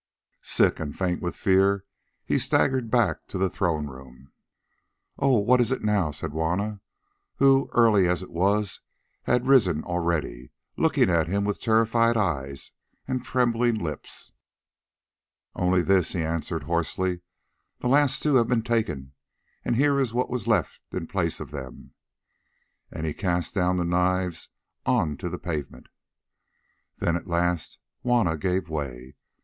Sick and faint with fear he staggered back to the throne room. "Oh! what is it now?" said Juanna, who, early as it was, had risen already, looking at him with terrified eyes and trembling lips. "Only this," he answered hoarsely; "the last two have been taken, and here is what was left in the place of them," and he cast down the knives on to the pavement. Then at last Juanna gave way.